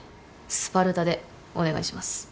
スパルタでお願いします。